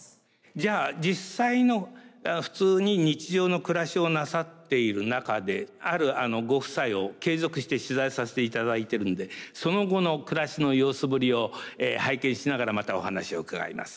じゃあ実際の普通に日常の暮らしをなさっている中であるご夫妻を継続して取材させていただいてるんでその後の暮らしの様子ぶりを拝見しながらまたお話を伺います。